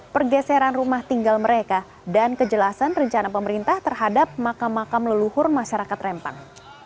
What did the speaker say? pergeseran rumah tinggal mereka dan kejelasan rencana pemerintah terhadap makam makam leluhur masyarakat rempang